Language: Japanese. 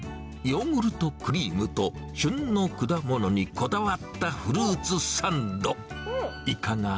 ヨーグルトクリームと、旬の果物にこだわったフルーツサンド。